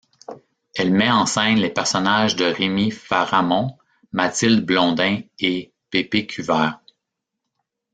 Elle met en scène les personnages de Rémi Pharamon, Mathilde Blondin et P-P Cul-Vert.